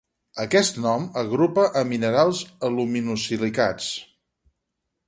Aquest nom agrupa a minerals aluminosilicats.